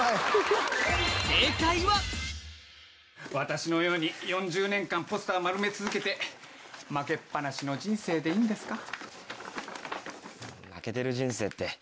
私のように４０年間ポスター丸め続けて負けっぱなしの人生でいいんですか？